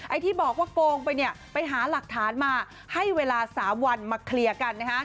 ที่บอกว่าโกงไปเนี่ยไปหาหลักฐานมาให้เวลา๓วันมาเคลียร์กันนะฮะ